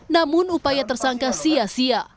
namun upaya tersangka sia sia